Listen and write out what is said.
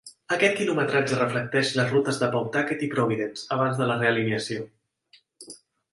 Aquest quilometratge reflecteix les rutes de Pawtucket i Providence abans de la re-alineació.